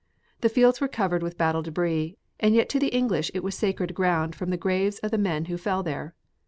The fields were covered with battle debris, and yet to the English it was sacred ground from the graves of the men who fell there.